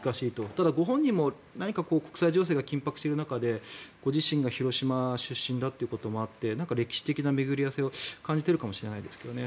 ただ、ご本人も国際情勢が緊迫している中でご自身が広島出身だということもあって何か歴史的な巡り合わせを感じているかもしれないですけどね。